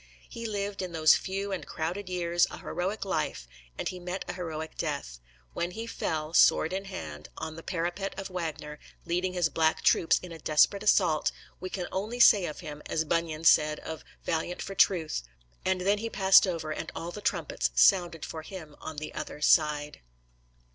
He lived in those few and crowded years a heroic life, and he met a heroic death. When he fell, sword in hand, on the parapet of Wagner, leading his black troops in a desperate assault, we can only say of him as Bunyan said of "Valiant for Truth": "And then he passed over, and all the trumpets sounded for him on the other side."